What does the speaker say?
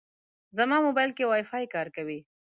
زما موبایل کې وايفای کار کوي.